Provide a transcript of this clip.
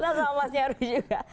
sama mas nyarwi juga